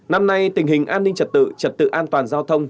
năm nay tình hình an ninh trật tự trật tự an toàn giao thông